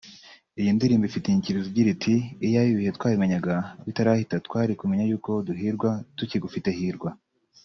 Iyi ndirimbo ifite inyikirizo igira iti “Iyaba ibihe twabimenyaga bitarahita twari kumenya yuko duhirwa tukigufite ‘Hirwa’